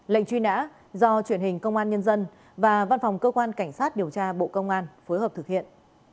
lệnh truy nã do truyền hình công an nhân dân và văn phòng cơ quan cảnh sát điều tra bộ công an phối hợp thực hiện